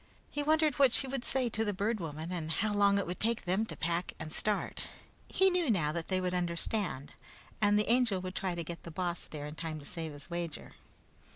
He wondered what she would say to the Bird Woman, and how long it would take them to pack and start. He knew now that they would understand, and the Angel would try to get the Boss there in time to save his wager.